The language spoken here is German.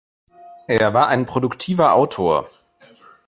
Er war ein produktiver Autor.